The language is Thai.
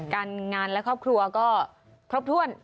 การงานและครอบครัวก็ครบถ้วน